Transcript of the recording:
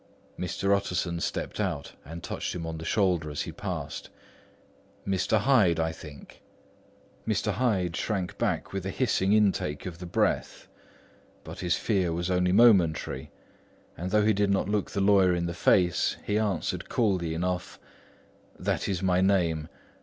Mr. Utterson stepped out and touched him on the shoulder as he passed. "Mr. Hyde, I think?" Mr. Hyde shrank back with a hissing intake of the breath. But his fear was only momentary; and though he did not look the lawyer in the face, he answered coolly enough: "That is my name.